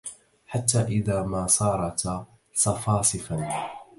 حتى إذا ما صارتا صَفاصِفا